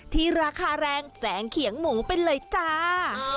ที่ราคาแรงแสงเขียงหมูไปเลยจ้า